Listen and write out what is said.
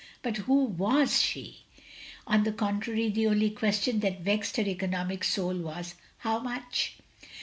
But who was she? On the contrary the only question that vexed her economic sotd was. How much?